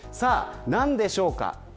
何でしょうか。